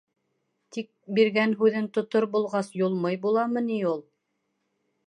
Тик, биргән һүҙен тотор булғас, Юлмый буламы ни ул?!